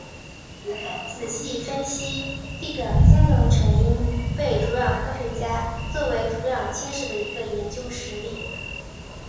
仔细分析地表径流的成因被土壤科学家作为土壤侵蚀的一个研究实例。